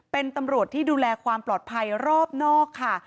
เป็นตำรวจที่ดูแลความปลอดภัยรอบนอกค่ะ